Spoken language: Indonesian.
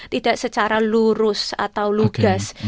tidak secara lurus atau lugas